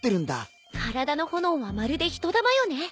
体の炎はまるで人だまよね。